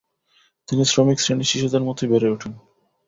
তিনি শ্রমিক শ্রেণীর শিশুদের মতই বেড়ে ওঠেন।